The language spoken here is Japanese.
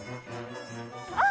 あ！